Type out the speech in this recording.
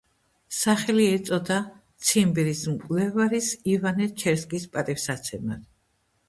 სახელი ეწოდა ციმბირის მკვლევარის ივანე ჩერსკის პატივსაცემად.